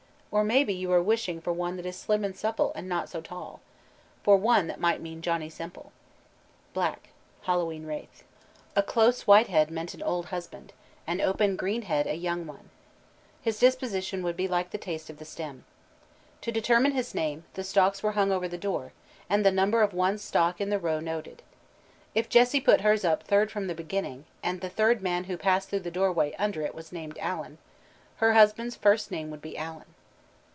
Or maybe you are wishing for one that is slim and supple and not so tall for one that might mean Johnnie Semple." BLACK: Hallowe'en Wraith. A close white head meant an old husband, an open green head a young one. His disposition would be like the taste of the stem. To determine his name, the stalks were hung over the door, and the number of one's stalk in the row noted. If Jessie put hers up third from the beginning, and the third man who passed through the doorway under it was named Alan, her husband's first name would be Alan.